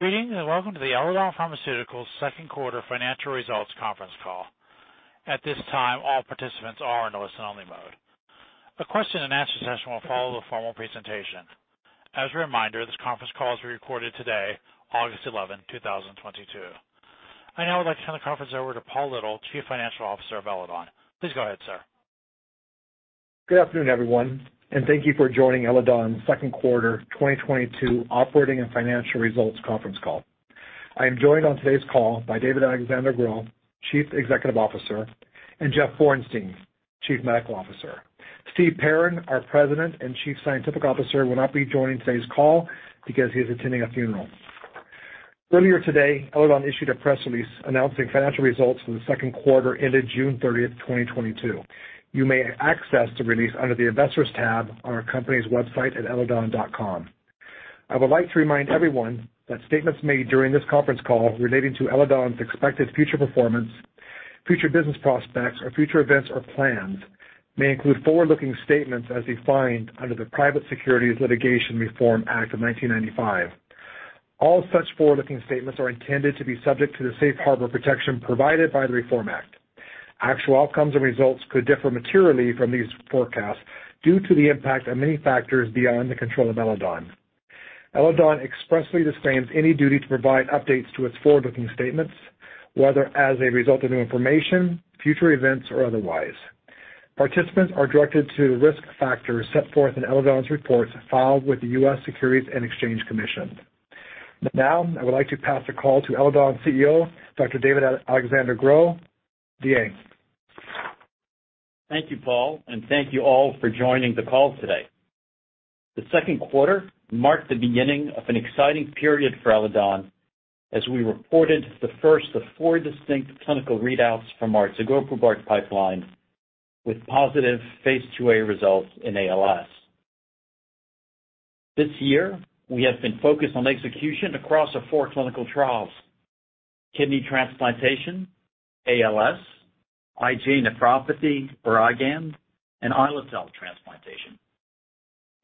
Greetings and welcome to the Eledon Pharmaceuticals second quarter financial results conference call. At this time, all participants are in listen-only mode. A question and answer session will follow the formal presentation. As a reminder, this conference call is recorded today, August 11, 2022. I now would like to turn the conference over to Paul Little, Chief Financial Officer of Eledon. Please go ahead, sir. Good afternoon, everyone, and thank you for joining Eledon's second quarter 2022 operating and financial results conference call. I am joined on today's call by David-Alexandre Gros, Chief Executive Officer, and Jeff Bornstein, Chief Medical Officer. Steven Perrin, our President and Chief Scientific Officer, will not be joining today's call because he is attending a funeral. Earlier today, Eledon issued a press release announcing financial results for the second quarter ended June 30th, 2022. You may access the release under the Investors tab on our company's website at eledon.com. I would like to remind everyone that statements made during this conference call relating to Eledon's expected future performance, future business prospects or future events or plans may include forward-looking statements as defined under the Private Securities Litigation Reform Act of 1995. All such forward-looking statements are intended to be subject to the safe harbor protection provided by the Reform Act. Actual outcomes and results could differ materially from these forecasts due to the impact of many factors beyond the control of Eledon. Eledon expressly disclaims any duty to provide updates to its forward-looking statements, whether as a result of new information, future events, or otherwise. Participants are directed to the risk factors set forth in Eledon's reports filed with the U.S. Securities and Exchange Commission. Now, I would like to pass the call to Eledon's CEO, Dr. David-Alexandre Gros. D.A. Thank you, Paul, and thank you all for joining the call today. The second quarter marked the beginning of an exciting period for Eledon as we reported the first of four distinct clinical readouts from our tegoprubart pipeline with positive phase II-A results in ALS. This year we have been focused on execution across the four clinical trials: kidney transplantation, ALS, IgA nephropathy or IgAN, and islet cell transplantation.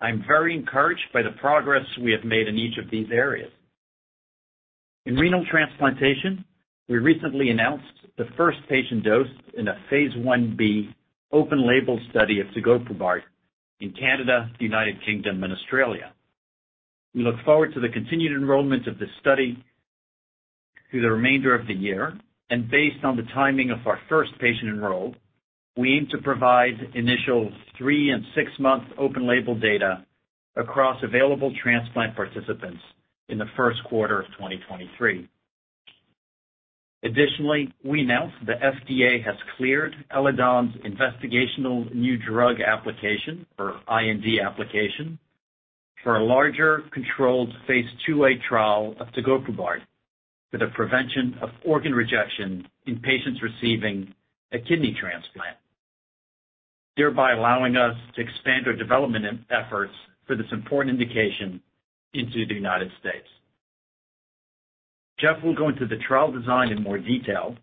I'm very encouraged by the progress we have made in each of these areas. In renal transplantation, we recently announced the first patient dose in a phase I-B open label study of tegoprubart in Canada, United Kingdom and Australia. We look forward to the continued enrollment of this study through the remainder of the year. Based on the timing of our first patient enrolled, we aim to provide initial 3-month and 6-month open label data across available transplant participants in the first quarter of 2023. Additionally, we announced the FDA has cleared Eledon's investigational new drug application or IND application for a larger controlled phase I-A trial of tegoprubart for the prevention of organ rejection in patients receiving a kidney transplant, thereby allowing us to expand our development efforts for this important indication into the United States. Jeff will go into the trial design in more detail,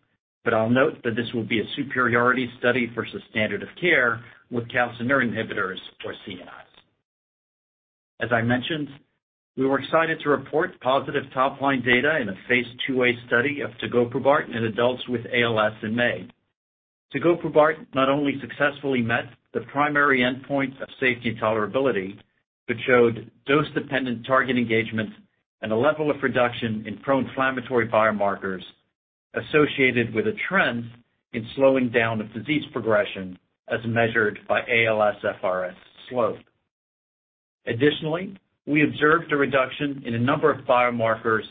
but I'll note that this will be a superiority study versus standard of care with calcineurin inhibitors or CNIs. As I mentioned, we were excited to report positive top-line data in a phase II-A study of tegoprubart in adults with ALS in May. Tegoprubart not only successfully met the primary endpoint of safety and tolerability, but showed dose-dependent target engagement and a level of reduction in proinflammatory biomarkers associated with a trend in slowing down of disease progression as measured by ALSFRS-R slope. Additionally, we observed a reduction in a number of biomarkers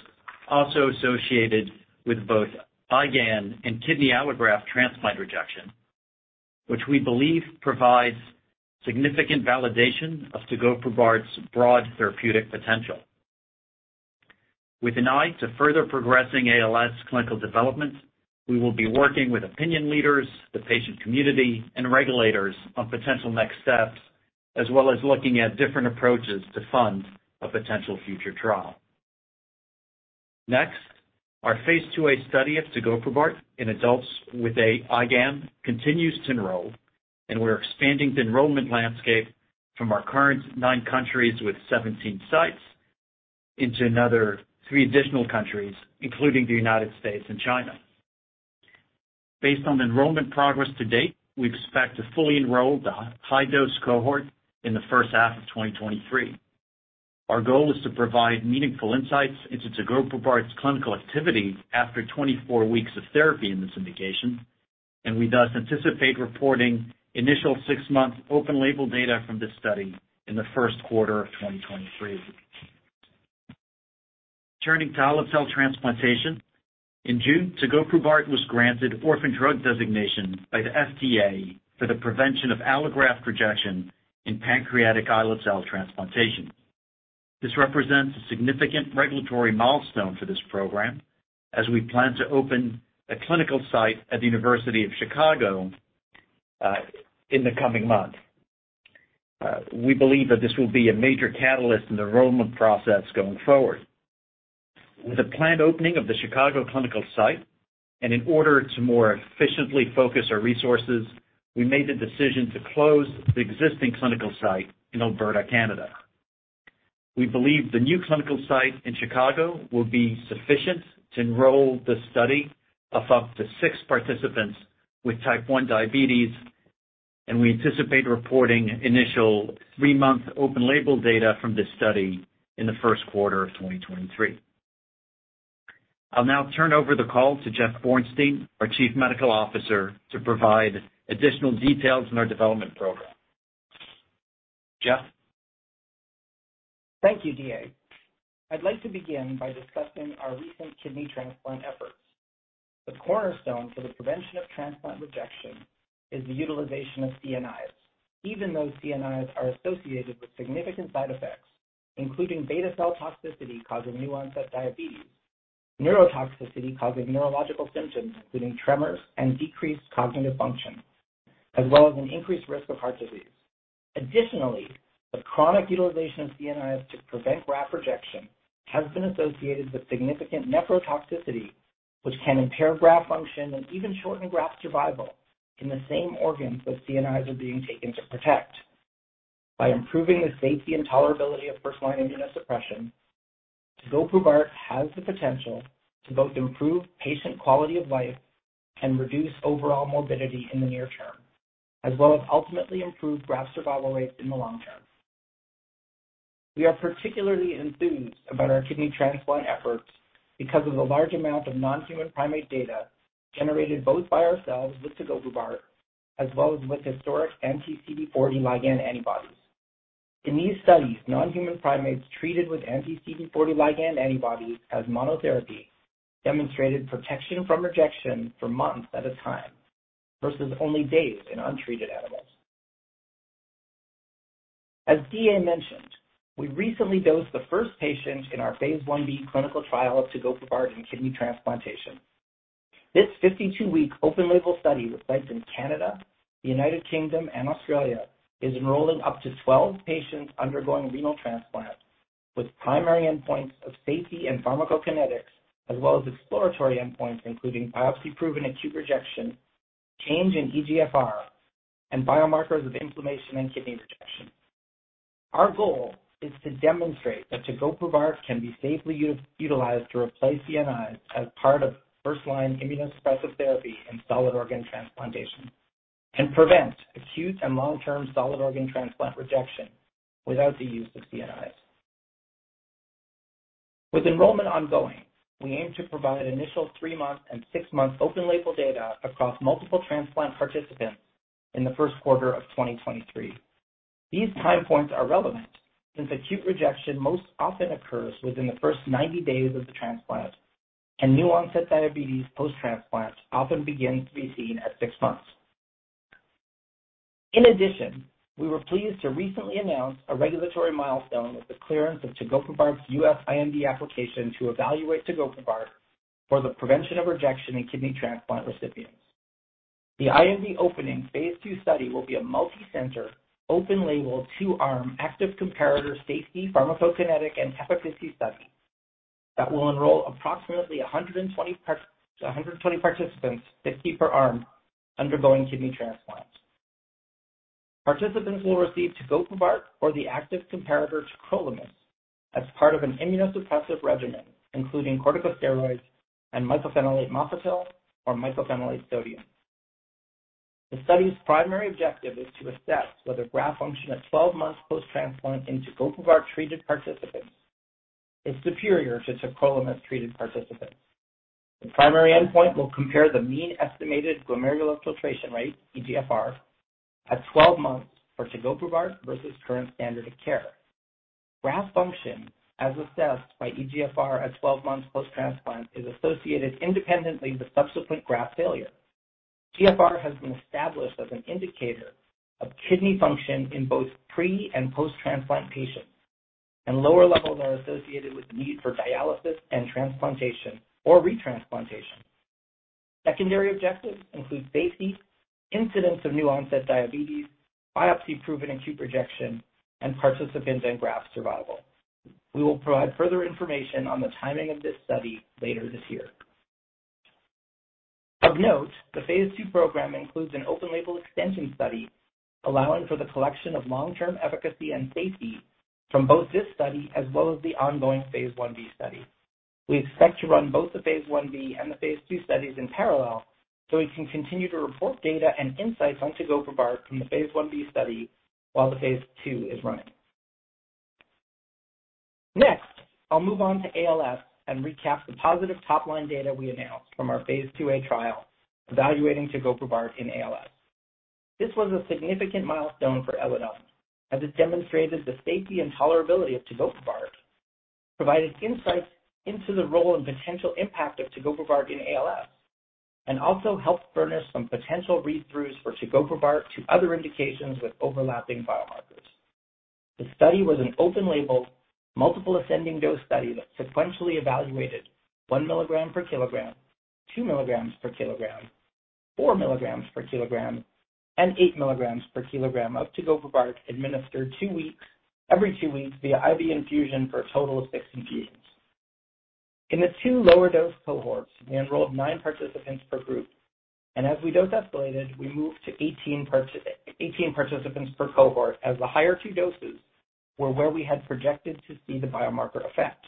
also associated with both IgAN and kidney allograft transplant rejection, which we believe provides significant validation of tegoprubart's broad therapeutic potential. With an eye to further progressing ALS clinical development, we will be working with opinion leaders, the patient community, and regulators on potential next steps, as well as looking at different approaches to fund a potential future trial. Next, our phase II-A study of tegoprubart in adults with IgAN continues to enroll, and we're expanding the enrollment landscape from our current nine countries with 17 sites into another three additional countries, including the United States and China. Based on the enrollment progress to date, we expect to fully enroll the high dose cohort in the first half of 2023. Our goal is to provide meaningful insights into tegoprubart's clinical activity after 24 weeks of therapy in this indication, and we thus anticipate reporting initial 6-month open label data from this study in the first quarter of 2023. Turning to islet cell transplantation. In June, tegoprubart was granted orphan drug designation by the FDA for the prevention of allograft rejection in pancreatic islet cell transplantation. This represents a significant regulatory milestone for this program as we plan to open a clinical site at the University of Chicago in the coming months. We believe that this will be a major catalyst in the enrollment process going forward. With the planned opening of the Chicago clinical site. In order to more efficiently focus our resources, we made the decision to close the existing clinical site in Alberta, Canada. We believe the new clinical site in Chicago will be sufficient to enroll the study of up to six participants with type one diabetes, and we anticipate reporting initial three-month open label data from this study in the first quarter of 2023. I'll now turn over the call to Jeff Bornstein, our Chief Medical Officer, to provide additional details on our development program. Jeff? Thank you, D.A. I'd like to begin by discussing our recent kidney transplant efforts. The cornerstone for the prevention of transplant rejection is the utilization of CNIs, even though CNIs are associated with significant side effects, including beta cell toxicity causing new onset diabetes, neurotoxicity causing neurological symptoms including tremors and decreased cognitive function, as well as an increased risk of heart disease. Additionally, the chronic utilization of CNIs to prevent graft rejection has been associated with significant nephrotoxicity, which can impair graft function and even shorten graft survival in the same organs that CNIs are being taken to protect. By improving the safety and tolerability of first-line immunosuppression, tegoprubart has the potential to both improve patient quality of life and reduce overall morbidity in the near term, as well as ultimately improve graft survival rates in the long term. We are particularly enthused about our kidney transplant efforts because of the large amount of non-human primate data generated both by ourselves with tegoprubart as well as with historic anti-CD40 ligand antibodies. In these studies, non-human primates treated with anti-CD40 ligand antibodies as monotherapy demonstrated protection from rejection for months at a time, versus only days in untreated animals. As D.A. mentioned, we recently dosed the first patient in our phase I-b clinical trial of tegoprubart in kidney transplantation. This 52-week open-label study with sites in Canada, the United Kingdom and Australia is enrolling up to 12 patients undergoing renal transplant, with primary endpoints of safety and pharmacokinetics as well as exploratory endpoints, including biopsy-proven acute rejection, change in eGFR, and biomarkers of inflammation and kidney rejection. Our goal is to demonstrate that Tegoprubart can be safely utilized to replace CNIs as part of first-line immunosuppressive therapy in solid organ transplantation, and prevent acute and long-term solid organ transplant rejection without the use of CNIs. With enrollment ongoing, we aim to provide initial three-month and six-month open label data across multiple transplant participants in the first quarter of 2023. These time points are relevant since acute rejection most often occurs within the first ninety days of the transplant, and new onset diabetes post-transplant often begin to be seen at six months. In addition, we were pleased to recently announce a regulatory milestone with the clearance of tegoprubart's U.S. IND application to evaluate Tegoprubart for the prevention of rejection in kidney transplant recipients. The IND-enabling phase II study will be a multicenter, open-label, two-arm active comparator safety, pharmacokinetic, and efficacy study that will enroll approximately 120 participants, 50 per arm, undergoing kidney transplants. Participants will receive tegoprubart or the active comparator tacrolimus as part of an immunosuppressive regimen, including corticosteroids and mycophenolate mofetil or mycophenolate sodium. The study's primary objective is to assess whether graft function at 12 months post-transplant in tegoprubart-treated participants is superior to tacrolimus-treated participants. The primary endpoint will compare the mean estimated glomerular filtration rate, eGFR, at 12 months for tegoprubart versus current standard of care. Graft function, as assessed by eGFR at 12 months post-transplant, is associated independently with subsequent graft failure. GFR has been established as an indicator of kidney function in both pre and post-transplant patients, and lower levels are associated with need for dialysis and transplantation or retransplantation. Secondary objectives include safety, incidence of new onset diabetes, biopsy-proven acute rejection, and participants in graft survival. We will provide further information on the timing of this study later this year. Of note, the phase II program includes an open label extension study allowing for the collection of long-term efficacy and safety from both this study as well as the ongoing phase I-B study. We expect to run both the phase I-B and the phase II studies in parallel, so we can continue to report data and insights on tegoprubart from the phase I-B study while the phase II is running. Next, I'll move on to ALS and recap the positive top-line data we announced from our phase II-A trial evaluating tegoprubart in ALS. This was a significant milestone for Eledon as it demonstrated the safety and tolerability of tegoprubart, provided insights into the role and potential impact of tegoprubart in ALS, and also helped furnish some potential read-throughs for tegoprubart to other indications with overlapping biomarkers. The study was an open label, multiple ascending dose study that sequentially evaluated 1 mg per kilogram, 2 mg per kilogram, 4 mg per kilogram and 8 mg per kilogram of tegoprubart administered two weeks, every two weeks via IV infusion for a total of six infusions. In the two lower dose cohorts, we enrolled nine participants per group, and as we dose escalated, we moved to 18 participants per cohort as the higher two doses were where we had projected to see the biomarker effect.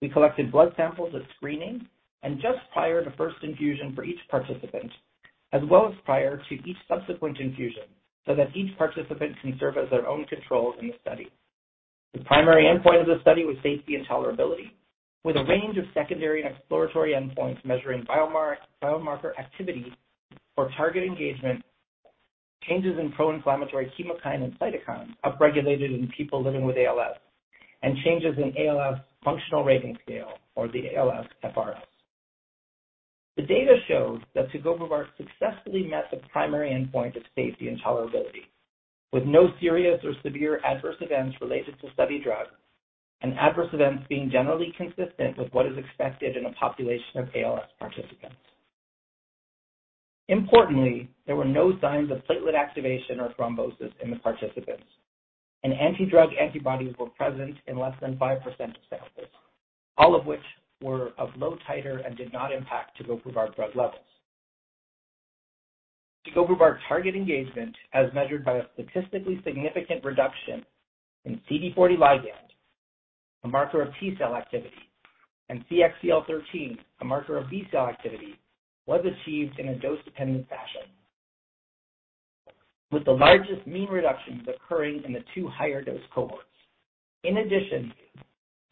We collected blood samples at screening and just prior to first infusion for each participant, as well as prior to each subsequent infusion, so that each participant can serve as their own control in the study. The primary endpoint of the study was safety and tolerability, with a range of secondary and exploratory endpoints measuring biomarker activity for target engagement, changes in proinflammatory chemokine and cytokine upregulated in people living with ALS, and changes in ALS functional rating scale or the ALSFRS. The data showed that tegoprubart successfully met the primary endpoint of safety and tolerability, with no serious or severe adverse events related to study drug and adverse events being generally consistent with what is expected in a population of ALS participants. Importantly, there were no signs of platelet activation or thrombosis in the participants, and anti-drug antibodies were present in less than 5% of samples, all of which were of low titer and did not impact tegoprubart drug levels. Tegoprubart target engagement, as measured by a statistically significant reduction in CD40 ligand, a marker of T cell activity, and CXCL13, a marker of B cell activity, was achieved in a dose-dependent fashion, with the largest mean reductions occurring in the two higher dose cohorts. In addition,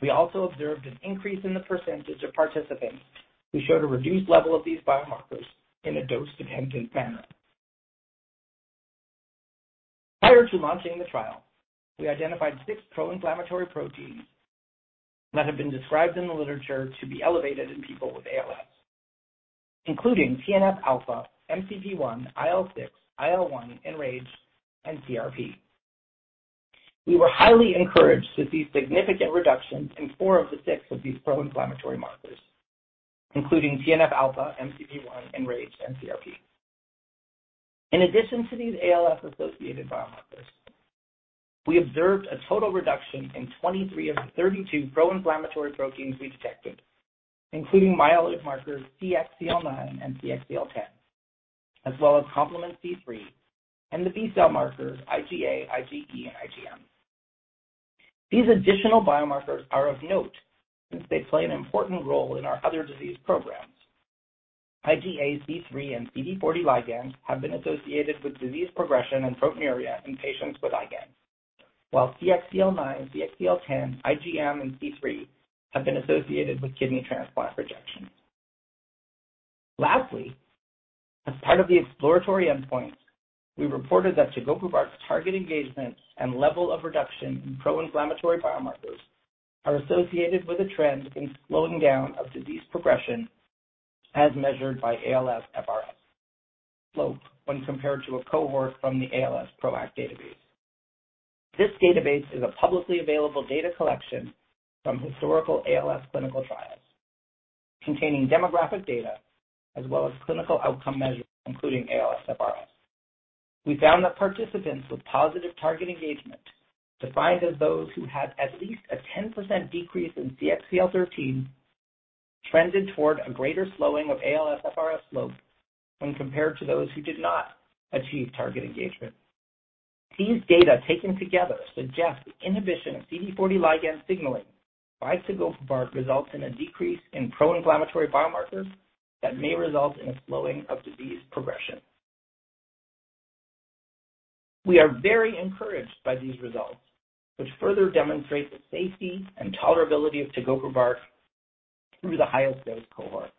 we also observed an increase in the percentage of participants who showed a reduced level of these biomarkers in a dose-dependent manner. Prior to launching the trial, we identified six proinflammatory proteins that have been described in the literature to be elevated in people with ALS, including TNF-alpha, MCP-1, IL-6, IL-1, EN-RAGE, and CRP. We were highly encouraged to see significant reductions in four of the six of these proinflammatory markers, including TNF-alpha, MCP-1, EN-RAGE, and CRP. In addition to these ALS-associated biomarkers, we observed a total reduction in 23 of the 32 proinflammatory proteins we detected, including myeloid markers CXCL9 and CXCL10, as well as complement C3 and the B cell markers IgA, IgE, and IgM. These additional biomarkers are of note since they play an important role in our other disease programs. IgA, C3, and CD40 ligand have been associated with disease progression and proteinuria in patients with IgAN, while CXCL9, CXCL10, IgM, and C3 have been associated with kidney transplant rejection. Lastly, as part of the exploratory endpoint, we reported that tegoprubart's target engagement and level of reduction in proinflammatory biomarkers are associated with a trend in slowing down of disease progression as measured by ALSFRS slope when compared to a cohort from the ALS PRO-ACT database. This database is a publicly available data collection from historical ALS clinical trials containing demographic data as well as clinical outcome measures, including ALSFRS. We found that participants with positive target engagement, defined as those who had at least a 10% decrease in CXCL13, trended toward a greater slowing of ALSFRS slope when compared to those who did not achieve target engagement. These data taken together suggest inhibition of CD40 ligand signaling by tegoprubart results in a decrease in proinflammatory biomarkers that may result in a slowing of disease progression. We are very encouraged by these results, which further demonstrate the safety and tolerability of tegoprubart through the highest dose cohort.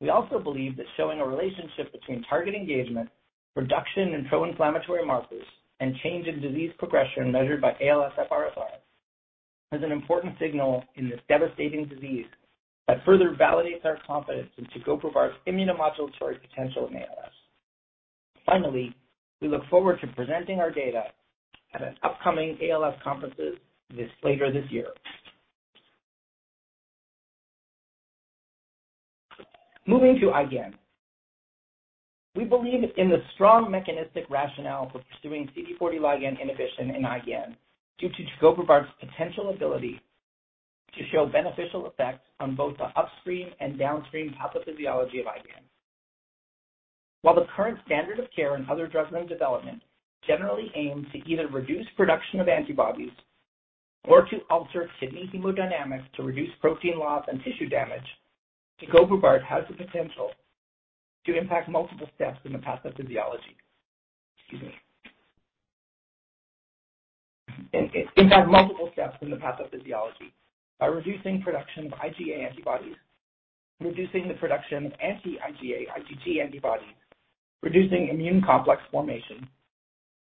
We also believe that showing a relationship between target engagement, reduction in proinflammatory markers, and change in disease progression measured by ALSFRS-R is an important signal in this devastating disease that further validates our confidence in tegoprubart's immunomodulatory potential in ALS. Finally, we look forward to presenting our data at an upcoming ALS conferences later this year. Moving to IgAN. We believe in the strong mechanistic rationale for pursuing CD40 ligand inhibition in IgAN due to tegoprubart's potential ability to show beneficial effects on both the upstream and downstream pathophysiology of IgAN. While the current standard of care and other drug in development generally aim to either reduce production of antibodies or to alter kidney hemodynamics to reduce protein loss and tissue damage, tegoprubart has the potential to impact multiple steps in the pathophysiology. Excuse me. In multiple steps in the pathophysiology by reducing production of IgA antibodies, reducing the production of anti-IgA IgG antibodies, reducing immune complex formation,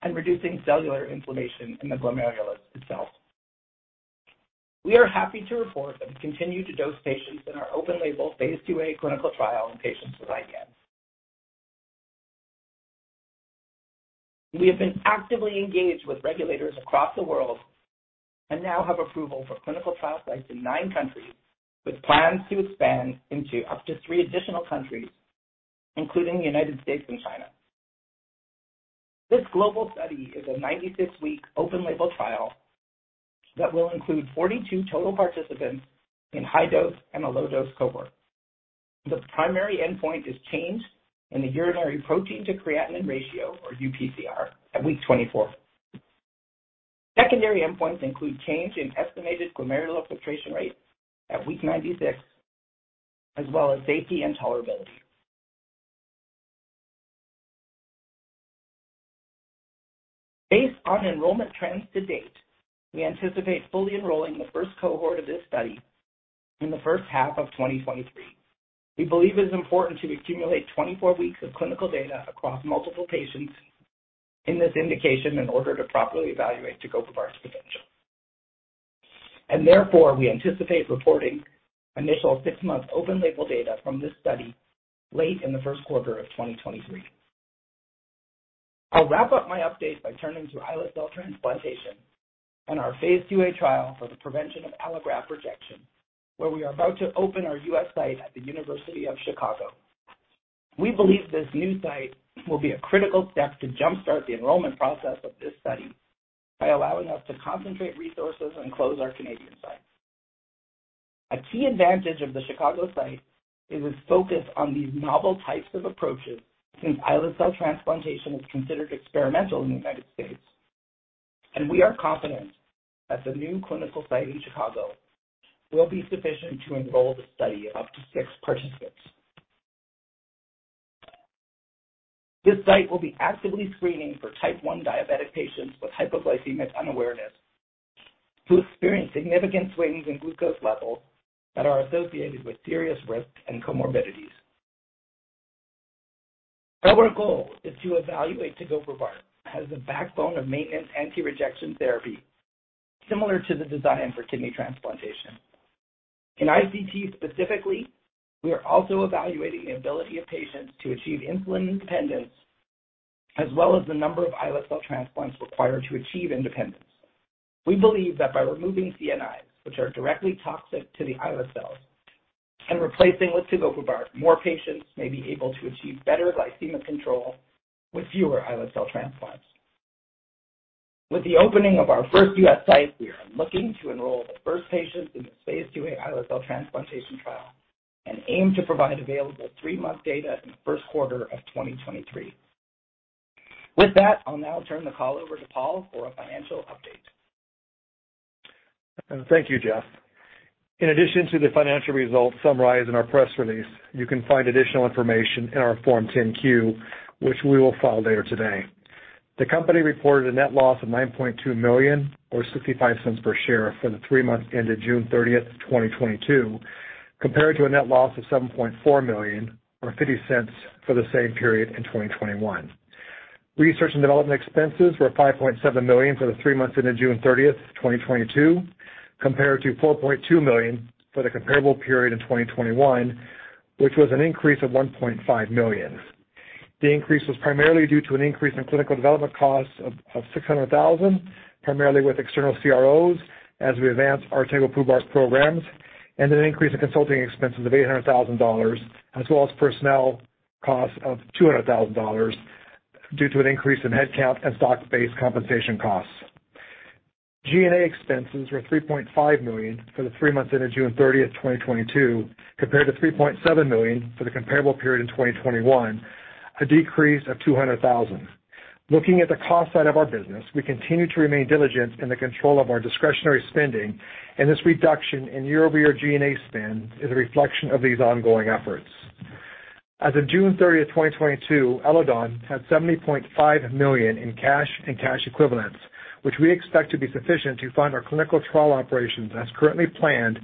and reducing cellular inflammation in the glomerulus itself. We are happy to report that we continue to dose patients in our open-label phase II-A clinical trial in patients with IgAN. We have been actively engaged with regulators across the world and now have approval for clinical trial sites in nine countries, with plans to expand into up to three additional countries, including United States and China. This global study is a 96-week open label trial that will include 42 total participants in high dose and a low dose cohort. The primary endpoint is change in the urinary protein to creatinine ratio, or UPCR, at week 24. Secondary endpoints include change in estimated glomerular filtration rate at week 96, as well as safety and tolerability. Based on enrollment trends to date, we anticipate fully enrolling the first cohort of this study in the first half of 2023. We believe it is important to accumulate 24 weeks of clinical data across multiple patients in this indication in order to properly evaluate tegoprubart's potential. Therefore, we anticipate reporting initial 6-month open label data from this study late in the first quarter of 2023. I'll wrap up my update by turning to islet cell transplantation and our phase II-A trial for the prevention of allograft rejection, where we are about to open our U.S. site at the University of Chicago. We believe this new site will be a critical step to jumpstart the enrollment process of this study by allowing us to concentrate resources and close our Canadian site. A key advantage of the Chicago site is its focus on these novel types of approaches, since islet cell transplantation is considered experimental in the United States, and we are confident that the new clinical site in Chicago will be sufficient to enroll the study of up to six participants. This site will be actively screening for type 1 diabetic patients with hypoglycemic unawareness who experience significant swings in glucose levels that are associated with serious risks and comorbidities. Our goal is to evaluate tegoprubart as the backbone of maintenance anti-rejection therapy similar to the design for kidney transplantation. In ICT specifically, we are also evaluating the ability of patients to achieve insulin independence, as well as the number of islet cell transplants required to achieve independence. We believe that by removing CNIs, which are directly toxic to the islet cells, and replacing with tegoprubart, more patients may be able to achieve better glycemic control with fewer islet cell transplants. With the opening of our first U.S. site, we are looking to enroll the first patients in the phase II-A islet cell transplantation trial and aim to provide available 3-month data in the first quarter of 2023. With that, I'll now turn the call over to Paul for a financial update. Thank you, Jeff. In addition to the financial results summarized in our press release, you can find additional information in our Form 10-Q, which we will file later today. The company reported a net loss of $9.2 million, or $0.65 per share, for the three months ended June 30th, 2022, compared to a net loss of $7.4 million, or $0.50, for the same period in 2021. Research and development expenses were $5.7 million for the three months ended June 30th, 2022, compared to $4.2 million for the comparable period in 2021, which was an increase of $1.5 million. The increase was primarily due to an increase in clinical development costs of $600,000, primarily with external CROs as we advance our tegoprubart programs, and an increase in consulting expenses of $800,000, as well as personnel costs of $200,000 due to an increase in headcount and stock-based compensation costs. G&A expenses were $3.5 million for the three months ended June 30th, 2022, compared to $3.7 million for the comparable period in 2021, a decrease of $200,000. Looking at the cost side of our business, we continue to remain diligent in the control of our discretionary spending, and this reduction in year-over-year G&A spend is a reflection of these ongoing efforts. As of June 30th, 2022, Eledon had $70.5 million in cash and cash equivalents, which we expect to be sufficient to fund our clinical trial operations as currently planned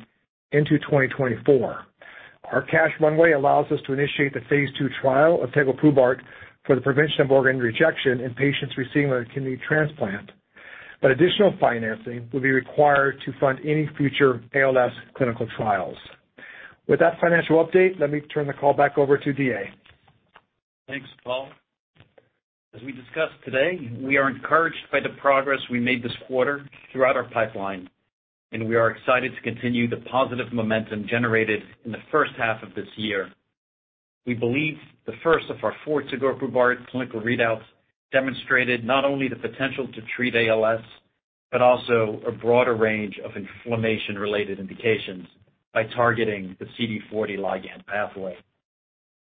into 2024. Our cash runway allows us to initiate the phase II trial of tegoprubart for the prevention of organ rejection in patients receiving a kidney transplant, but additional financing will be required to fund any future ALS clinical trials. With that financial update, let me turn the call back over to D.A. Thanks, Paul. As we discussed today, we are encouraged by the progress we made this quarter throughout our pipeline, and we are excited to continue the positive momentum generated in the first half of this year. We believe the first of our four tegoprubart clinical readouts demonstrated not only the potential to treat ALS, but also a broader range of inflammation-related indications by targeting the CD40 ligand pathway.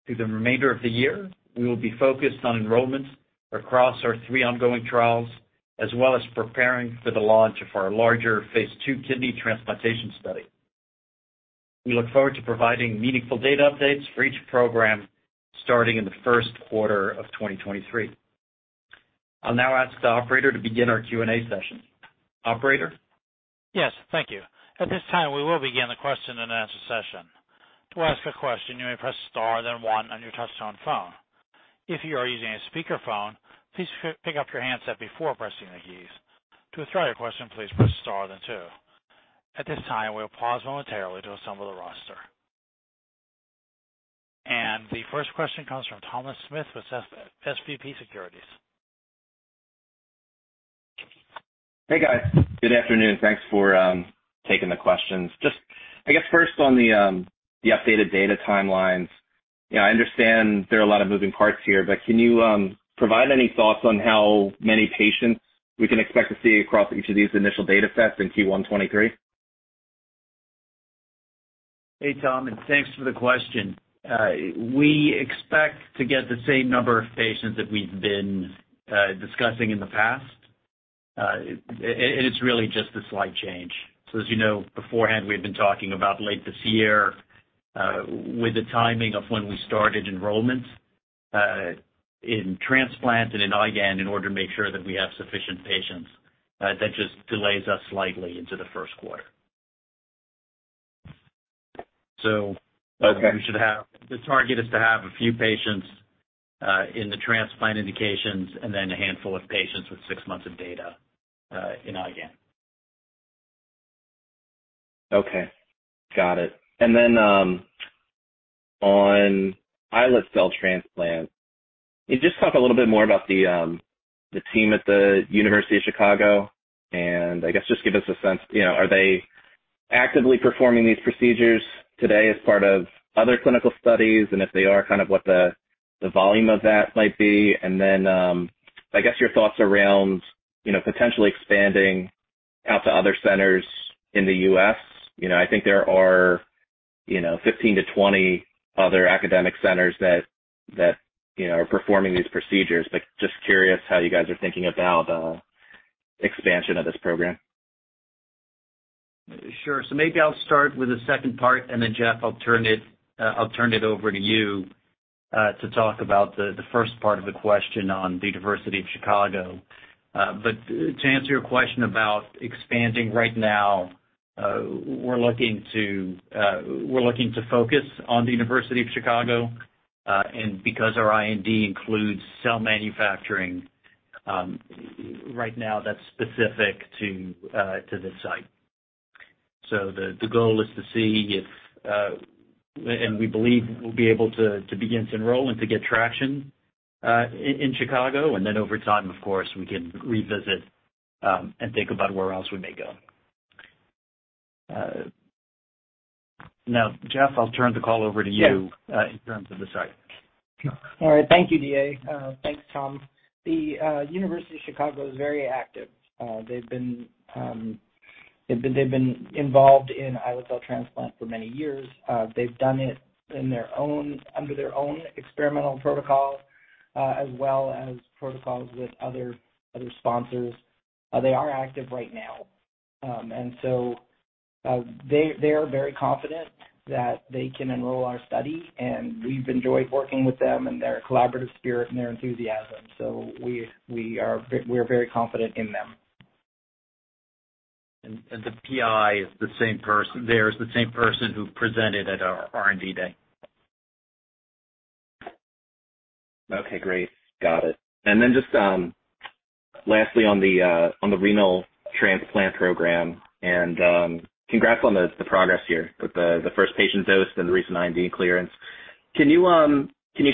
Through the remainder of the year, we will be focused on enrollment across our three ongoing trials, as well as preparing for the launch of our larger phase II kidney transplantation study. We look forward to providing meaningful data updates for each program starting in the first quarter of 2023. I'll now ask the operator to begin our Q&A session. Operator? Yes, thank you. At this time, we will begin the question and answer session. To ask a question, you may press star then one on your touchtone phone. If you are using a speakerphone, please pick up your handset before pressing the keys. To withdraw your question, please press star then two. At this time, we'll pause momentarily to assemble the roster. The first question comes from Thomas Smith with SVB Securities. Hey, guys. Good afternoon. Thanks for taking the questions. Just I guess first on the updated data timelines. You know, I understand there are a lot of moving parts here, but can you provide any thoughts on how many patients we can expect to see across each of these initial data sets in Q1 2023? Hey, Tom, and thanks for the question. We expect to get the same number of patients that we've been discussing in the past. It's really just a slight change. As you know, beforehand, we had been talking about late this year with the timing of when we started enrollment in transplant and in IgAN in order to make sure that we have sufficient patients that just delays us slightly into the first quarter. Okay. The target is to have a few patients in the transplant indications and then a handful of patients with six months of data in IgAN. Okay. Got it. On islet cell transplant, can you just talk a little bit more about the team at the University of Chicago and I guess just give us a sense, you know, are they actively performing these procedures today as part of other clinical studies, and if they are, kind of what the volume of that might be. I guess your thoughts around, you know, potentially expanding out to other centers in the U.S. You know, I think there are, you know, 15-20 other academic centers that, you know, are performing these procedures, but just curious how you guys are thinking about expansion of this program. Sure. Maybe I'll start with the second part, and then Jeff, I'll turn it over to you to talk about the first part of the question on the University of Chicago. To answer your question about expanding right now, we're looking to focus on the University of Chicago, and because our IND includes cell manufacturing, right now that's specific to this site. The goal is to see if and we believe we'll be able to begin to enroll and to get traction in Chicago, and then over time, of course, we can revisit and think about where else we may go. Now, Jeff, I'll turn the call over to you. Yeah. In terms of the site. All right. Thank you, D.A. Thanks, Tom. The University of Chicago is very active. They've been involved in islet cell transplant for many years. They've done it under their own experimental protocol, as well as protocols with other sponsors. They are active right now. They are very confident that they can enroll our study, and we've enjoyed working with them and their collaborative spirit and their enthusiasm. We are very confident in them. The PI is the same person there. It's the same person who presented at our R&D Day. Okay, great. Got it. Then just lastly on the renal transplant program, congrats on the progress here with the first patient dose and the recent IND clearance. Can you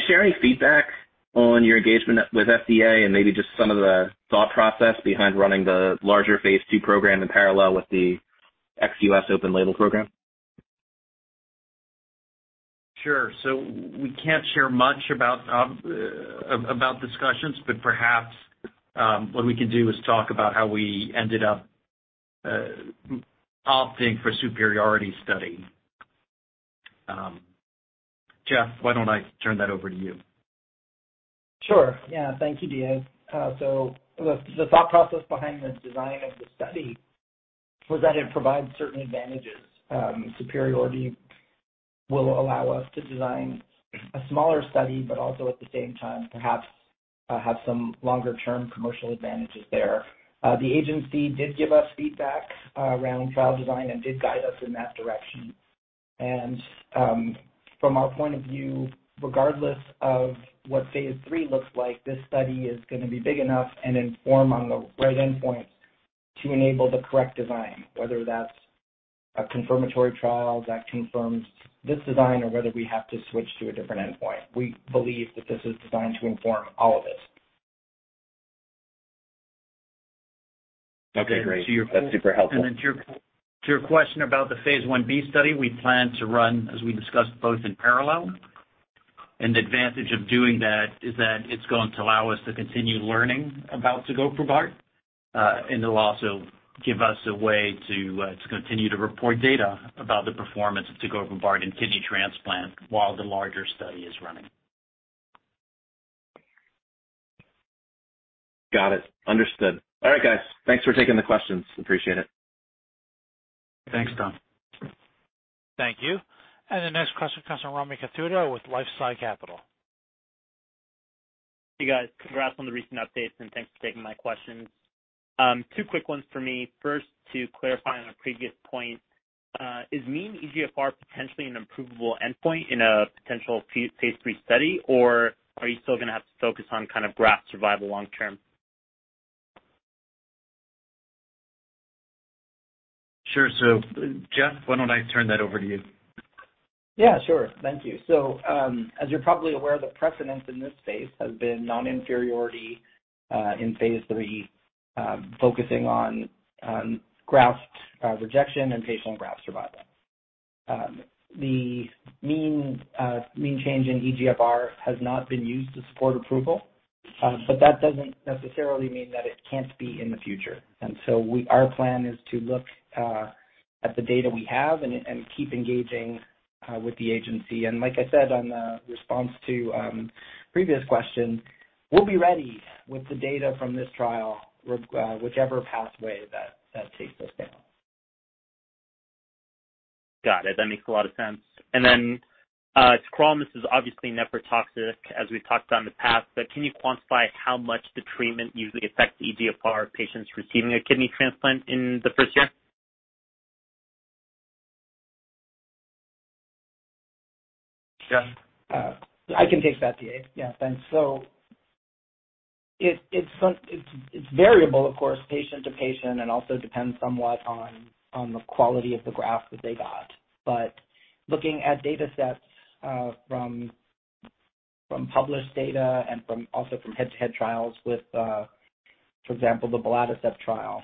share any feedback on your engagement with FDA and maybe just some of the thought process behind running the larger phase II program in parallel with the ex-U.S. open label program? Sure. We can't share much about discussions, but perhaps what we can do is talk about how we ended up opting for superiority study. Jeff, why don't I turn that over to you? Sure. Yeah. Thank you, D.A. So the thought process behind the design of the study was that it provides certain advantages. Superiority will allow us to design a smaller study, but also at the same time, perhaps, have some longer-term commercial advantages there. The agency did give us feedback around trial design and did guide us in that direction. From our point of view, regardless of what phase III looks like, this study is gonna be big enough and inform on the right endpoint to enable the correct design, whether that's a confirmatory trial that confirms this design or whether we have to switch to a different endpoint. We believe that this is designed to inform all of this. Okay, great. Yeah. That's super helpful. To your question about the phase I-B study, we plan to run, as we discussed, both in parallel. The advantage of doing that is that it's going to allow us to continue learning about tegoprubart, and it'll also give us a way to continue to report data about the performance of tegoprubart in kidney transplant while the larger study is running. Got it. Understood. All right, guys. Thanks for taking the questions. Appreciate it. Thanks, Tom. Thank you. The next question comes from Rami Katkhuda with LifeSci Capital. Hey, guys. Congrats on the recent updates, and thanks for taking my questions. Two quick ones for me. First, to clarify on a previous point, is mean eGFR estimated glomerular filtration rate potentially an improvable endpoint in a potential phase III study, or are you still gonna have to focus on kind of graft survival long term? Sure. Jeff, why don't I turn that over to you? Yeah, sure. Thank you. As you're probably aware, the precedence in this space has been non-inferiority in phase III focusing on graft rejection and patient and graft survival. The mean change in eGFR has not been used to support approval, but that doesn't necessarily mean that it can't be in the future. Our plan is to look at the data we have and keep engaging with the agency. Like I said in the response to previous questions, we'll be ready with the data from this trial whichever pathway that takes us down. Got it. That makes a lot of sense. Tacrolimus is obviously nephrotoxic, as we've talked in the past, but can you quantify how much the treatment usually affects eGFR patients receiving a kidney transplant in the first year? Jeff? I can take that, D.A. Yeah. It's variable, of course, patient to patient, and also depends somewhat on the quality of the graft that they got. Looking at datasets from published data and also from head-to-head trials with, for example, the belatacept trial,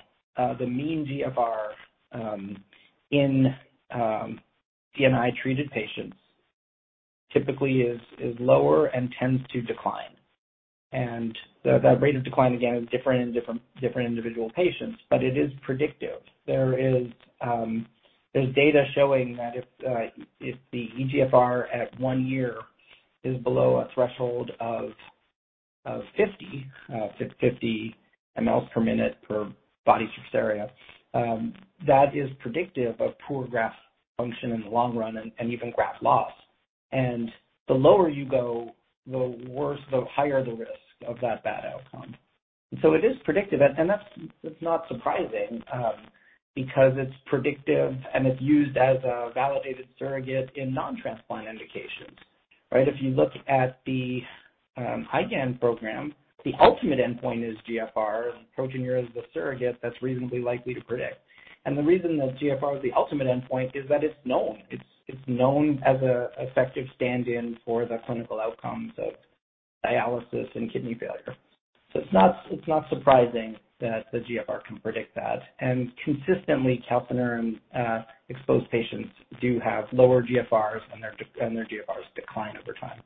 the mean GFR in CNI-treated patients typically is lower and tends to decline. That rate of decline, again, is different in different individual patients, but it is predictive. There's data showing that if the eGFR at one year is below a threshold of 50 mL per minute per body surface area, that is predictive of poor graft function in the long run and even graft loss. The lower you go, the worse, the higher the risk of that bad outcome. It is predictive and that's. It's not surprising because it's predictive and it's used as a validated surrogate in non-transplant indications. Right? If you look at the IgAN program, the ultimate endpoint is GFR, and proteinuria is the surrogate that's reasonably likely to predict. The reason that GFR is the ultimate endpoint is that it's known. It's known as an effective stand-in for the clinical outcomes of dialysis and kidney failure. It's not surprising that the GFR can predict that. Consistently, calcineurin exposed patients do have lower GFRs and their GFRs decline over time.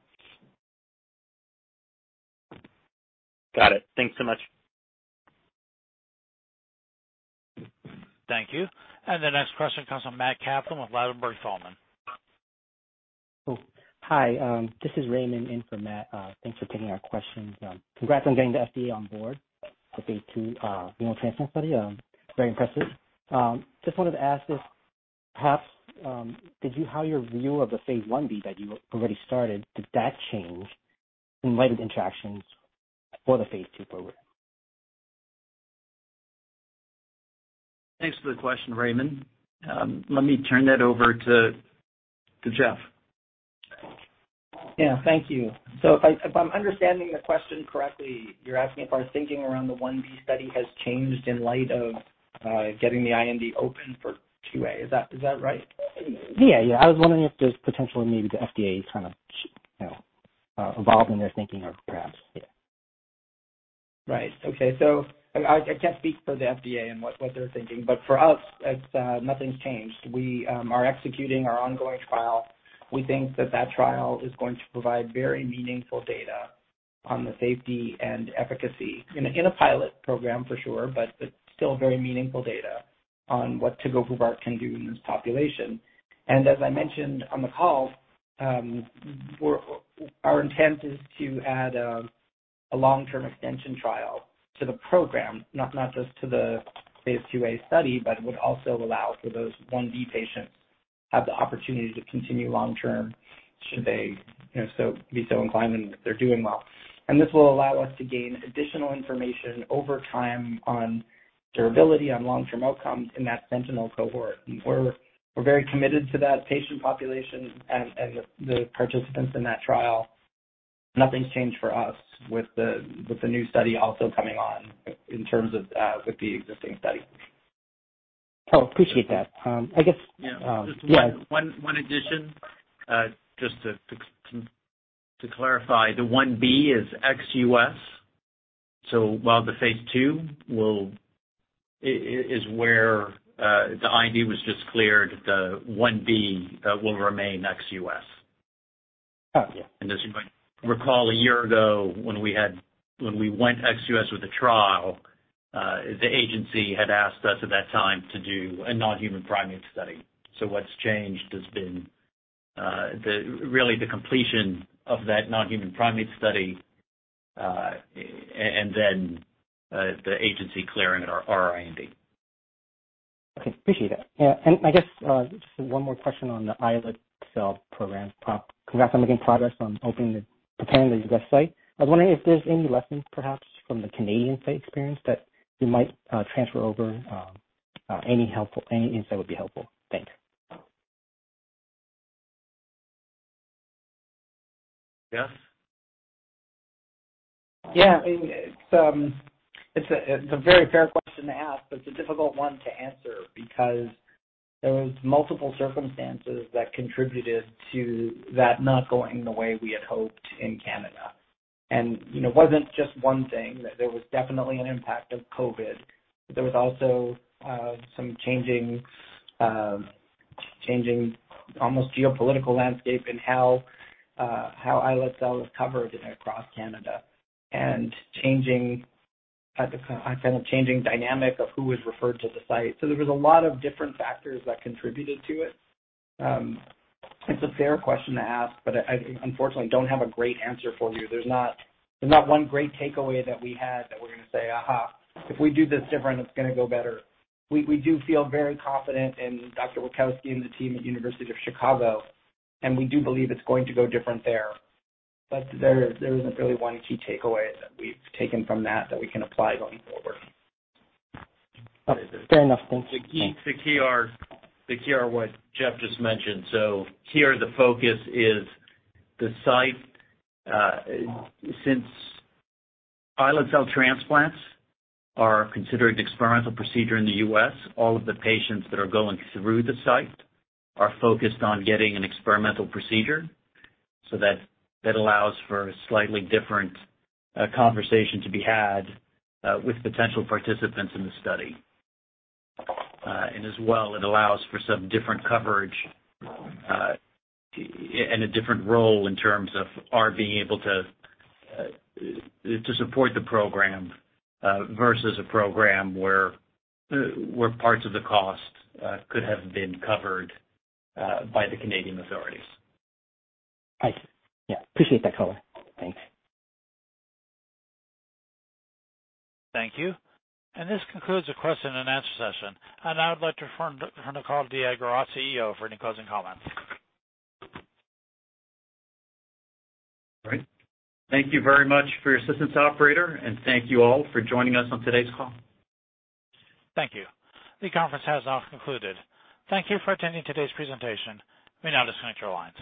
Got it. Thanks so much. Thank you. The next question comes from Matthew Kaplan with Ladenburg Thalmann. Hi. This is Raymond in for Matt. Thanks for taking our questions. Congrats on getting the FDA on board for phase II renal transplant study. Very impressive. Just wanted to ask if perhaps how your review of the phase I-B that you already started did that change in light of the interactions for the phase II program? Thanks for the question, Raymond. Let me turn that over to Jeff. Yeah. Thank you. If I'm understanding the question correctly, you're asking if our thinking around the 1B study has changed in light of getting the IND open for II-A. Is that right? Yeah. I was wondering if there's potentially maybe the FDA kind of evolved in their thinking or perhaps. Right. Okay. I can't speak for the FDA and what they're thinking, but for us it's nothing's changed. We are executing our ongoing trial. We think that trial is going to provide very meaningful data on the safety and efficacy in a pilot program for sure, but it's still very meaningful data on what tegoprubart can do in this population. As I mentioned on the call, our intent is to add a long-term extension trial to the program, not just to the phase II-A study, but it would also allow for those I-B patients to have the opportunity to continue long term should they, you know, be so inclined and if they're doing well. This will allow us to gain additional information over time on durability, on long-term outcomes in that sentinel cohort. We're very committed to that patient population and the participants in that trial. Nothing's changed for us with the new study also coming on in terms of with the existing study. Oh, appreciate that. I guess, yeah. Just one addition. Just to clarify, the I-B is ex U.S. While the phase II is where the IND was just cleared, the I-B will remain ex U.S. Oh, yeah. As you might recall, a year ago when we went ex-U.S. with the trial, the agency had asked us at that time to do a non-human primate study. What's changed has been really the completion of that non-human primate study and then the agency clearing our IND. Okay. Appreciate it. Yeah. I guess just one more question on the islet cell program. Congrats on making progress on preparing the U.S. site. I was wondering if there's any lessons, perhaps from the Canadian site experience that you might transfer over. Any helpful insight would be helpful. Thanks. Jeff? Yeah, I mean, it's a very fair question to ask, but it's a difficult one to answer because there was multiple circumstances that contributed to that not going the way we had hoped in Canada. You know, it wasn't just one thing. There was definitely an impact of COVID, but there was also some changing almost geopolitical landscape in how islet cell was covered across Canada and kind of changing dynamic of who was referred to the site. There was a lot of different factors that contributed to it. It's a fair question to ask, but I, unfortunately, don't have a great answer for you. There's not one great takeaway that we had that we're gonna say, "Aha. If we do this different, it's gonna go better." We do feel very confident in Piotr Witkowski and the team at University of Chicago, and we do believe it's going to go different there. There isn't really one key takeaway that we've taken from that we can apply going forward. Fair enough. Thanks. The key are what Jeff just mentioned. Here the focus is the site. Since islet cell transplants are considered an experimental procedure in the U.S., all of the patients that are going through the site are focused on getting an experimental procedure. That allows for a slightly different conversation to be had with potential participants in the study. And as well, it allows for some different coverage and a different role in terms of our being able to support the program versus a program where parts of the cost could have been covered by the Canadian authorities. Yeah, appreciate that color. Thanks. Thank you. This concludes the question and answer session. I would like to turn to David-Alexandre Gros, our CEO, for any closing comments. All right. Thank you very much for your assistance, operator. Thank you all for joining us on today's call. Thank you. The conference has now concluded. Thank you for attending today's presentation. You may now disconnect your lines.